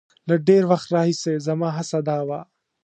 له ډېر وخت راهیسې زما هڅه دا وه.